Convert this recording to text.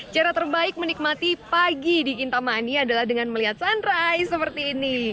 cara terbaik menikmati pagi di kintamani adalah dengan melihat sunrise seperti ini